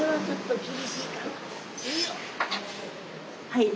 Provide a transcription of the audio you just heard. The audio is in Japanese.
はい。